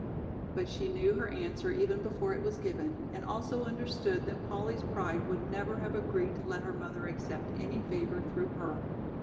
But she knew her answer even before it was given and also understood that Polly's pride would never have agreed to let her mother accept any favor through her.